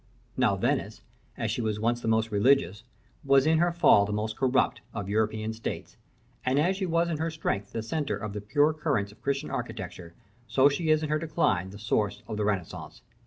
Now Venice, as she was once the most religious, was in her fall the most corrupt, of European states; and as she was in her strength the centre of the pure currents of Christian architecture, so she is in her decline the source of the Renaissance.